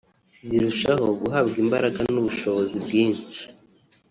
zirushaho guhabwa imbaraga n’ubushobozi bwinshi